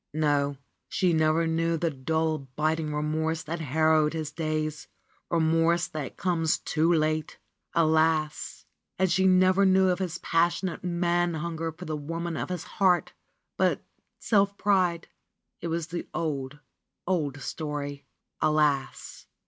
No, she never knew the dull, biting remorse that harrowed his days, remorse that comes too late! Alas! and she never knew of his passionate man hunger for the woman of his heart ! But self — ^pride ! It was the old, old story. Alas